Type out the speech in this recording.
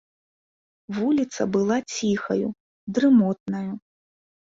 Вуліца была ціхаю, дрымотнаю.